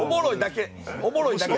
おもろいだけ。